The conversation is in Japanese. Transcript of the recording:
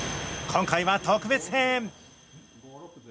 今回は特別編。